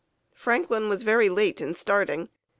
Franklin was very late in starting.